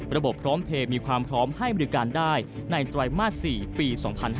พร้อมเพลย์มีความพร้อมให้บริการได้ในไตรมาส๔ปี๒๕๕๙